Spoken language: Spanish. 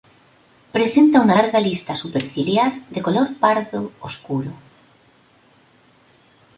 Presenta una larga lista superciliar de color pardo oscuro.